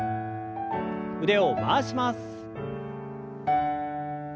腕を回します。